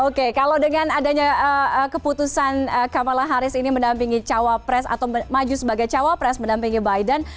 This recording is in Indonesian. oke kalau dengan adanya keputusan kamala harris ini menampingi cawa pres atau maju sebagai cawa pres menampingi biden